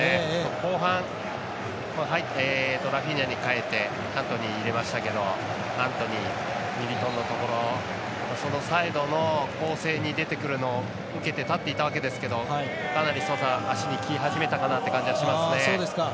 後半、ラフィーニャに代えてアントニー入れましたけどアントニー、ミリトンのところそのサイドの攻勢に出てくるのを受けて立っていたわけですけどもかなりソサ、足にき始めたかなと思います。